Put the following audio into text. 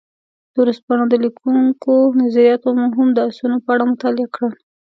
د ورځپاڼو د لیکونکو نظریات مو هم د اسونو په اړه مطالعه کړل.